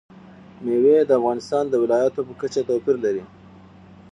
مېوې د افغانستان د ولایاتو په کچه توپیر لري.